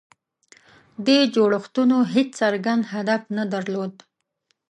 دې جوړښتونو هېڅ څرګند هدف نه درلود.